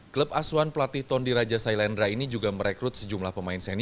klub asuan pelatih tondi raja sailendra ini juga merekrut sejumlah pemain seni